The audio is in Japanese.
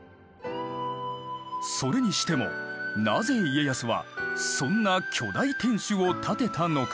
それにしてもなぜ家康はそんな巨大天守を建てたのか？